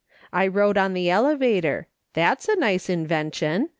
I rode on the elevator. That's a nice invention.